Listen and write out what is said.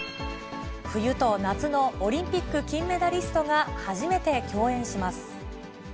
冬と夏のオリンピック金メダリストが初めて共演します。